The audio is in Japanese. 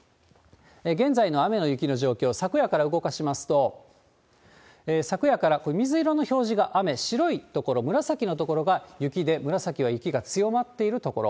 現在の雨や雪の状況、昨夜から動かしますと、昨夜から、水色の表示が雨、白い所、紫の所が雪で、紫は雪が強まっている所。